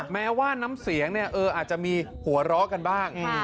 แม้ว่าน้ำเสียงอาจจะมีหัวเราะกันบ้าง